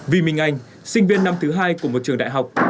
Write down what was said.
vi minh anh sinh viên năm thứ hai của một trường đại học